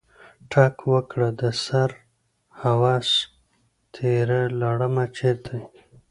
ټک ورکړه دسره هوس تیره لړمه چرته یې؟